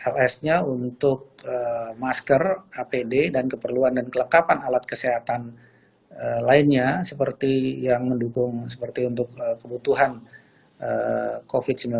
ls nya untuk masker apd dan keperluan dan kelekapan alat kesehatan lainnya seperti yang mendukung seperti untuk kebutuhan covid sembilan belas ini sampai tiga puluh juni dua ribu dua puluh